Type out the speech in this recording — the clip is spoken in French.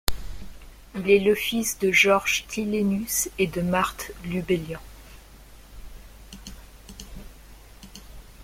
Il est le fils de Georges Tilenus et de Marthe Lubelian.